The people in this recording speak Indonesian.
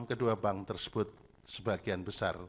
kedua bank tersebut sebagian besar